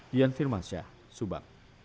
dian firmansyah subang